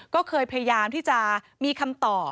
ก็เคยพยายามที่จะมีคำตอบ